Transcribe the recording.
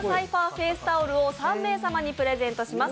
フェイスタオルを３名様にプレゼントします。